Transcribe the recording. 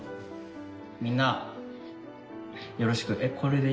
みんなよろしくえっこれでいいの？